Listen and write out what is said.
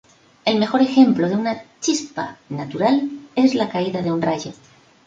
El mejor ejemplo de una "chispa" natural, es la caída de un rayo.